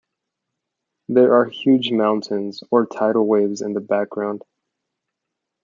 There are huge mountains or tidal waves in the background.